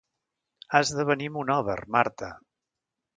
Has de venir a Monòver, Marta.